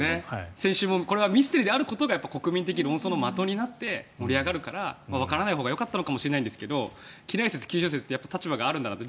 先週もこれがミステリーであることが国民的論争の的になって盛り上がるからわからないほうがよかったのかもしれないんですが畿内説、九州説って立場があるんだなって。